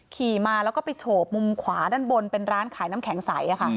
ขี่มาก็ไปโฉพธิตภูมิเมืองขวาน้านบนเป็นร้านขายน้ำแข็งใส